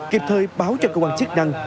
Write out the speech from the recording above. kịp thời báo cho cơ quan chức năng